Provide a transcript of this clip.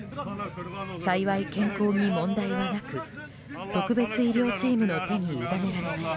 幸い、健康に問題はなく特別医療チームの手に委ねられました。